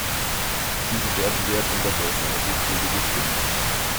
Diese Werte werden im Labor aus einer Blutprobe bestimmt.